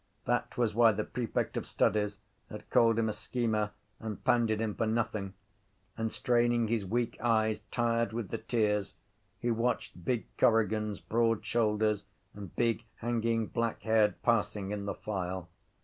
That was why the prefect of studies had called him a schemer and pandied him for nothing: and, straining his weak eyes, tired with the tears, he watched big Corrigan’s broad shoulders and big hanging black head passing in the file.